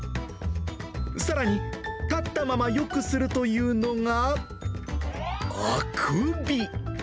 さらに、立ったままよくするというのが。